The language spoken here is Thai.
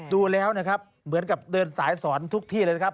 ดูแล้วนะครับเหมือนกับเดินสายสอนทุกที่เลยนะครับ